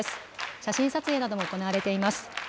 写真撮影なども行われています。